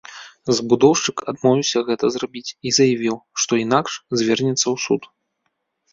Забудоўшчык адмовіўся гэта зрабіць і заявіў, што інакш звернецца ў суд.